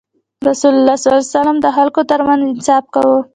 رسول الله ﷺ د خلکو ترمنځ انصاف کاوه.